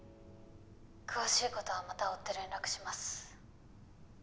詳しいことはまた追って連絡します。